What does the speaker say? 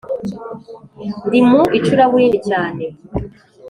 ndi mu icuraburindi cyane